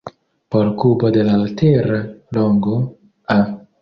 Por kubo de latera longo "a",